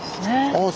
ああ